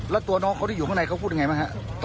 แล้วตัวน้องเขาที่อยู่ข้างในเขาพูดอย่างไรไหมครับ